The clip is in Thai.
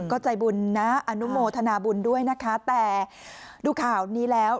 ก็ใจบุญนะอนุโมทนาบุญด้วยนะคะแต่ดูข่าวนี้แล้ว